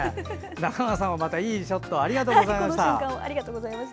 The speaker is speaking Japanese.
中川さんもまたいいショットありがとうございました。